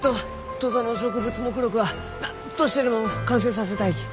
土佐の植物目録は何としてでも完成させたいき。